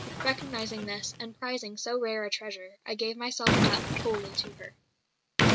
Recognising this, and prizing so rare a treasure, I gave myself up wholly to her."